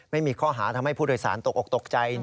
ไม่มีข้อหาทำให้ผู้โดยสารตกออกตกใจ